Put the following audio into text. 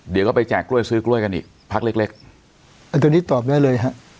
เดี๋ยวก็ไปแจกกล้วยซื้อกล้วยกันอีกพักเล็กเล็กอันนี้ตอบได้เลยฮะ